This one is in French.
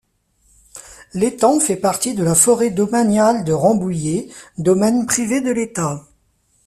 L’étang fait partie de la forêt domaniale de Rambouillet, domaine privé de l’État.